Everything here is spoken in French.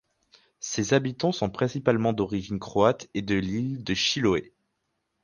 Ses habitants sont principalement d'origine croate et de l'île de Chiloé.